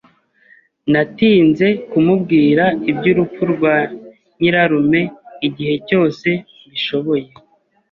Natinze kumubwira iby'urupfu rwa nyirarume igihe cyose mbishoboye.